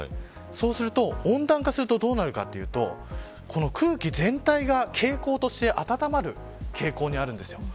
そうすると、温暖化するとどうなるかというとこの空気全体が、傾向として暖まる傾向にあるんですよ。